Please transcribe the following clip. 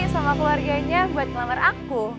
sama keluarganya buat ngelamar aku